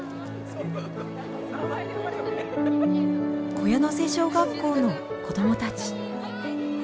木屋瀬小学校の子どもたち。